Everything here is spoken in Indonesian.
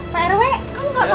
kamu gak apa apa